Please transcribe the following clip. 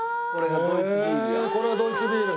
これがドイツビールや。